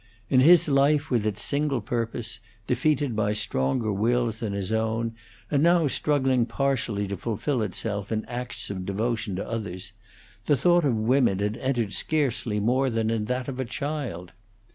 In his life with its single purpose, defeated by stronger wills than his own, and now struggling partially to fulfil itself in acts of devotion to others, the thought of women had entered scarcely more than in that of a child.